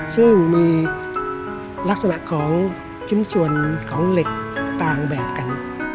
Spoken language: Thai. ซึ่งมีลักษณะของชิ้นส่วนของเหล็กต่างแบบกัน